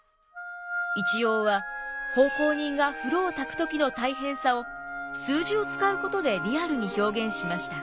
一葉は奉公人が風呂をたく時の大変さを数字を使うことでリアルに表現しました。